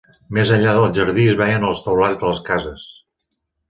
Més enllà del jardí es veien els teulats de les cases.